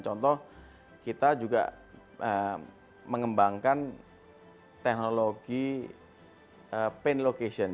contoh kita juga mengembangkan teknologi paint location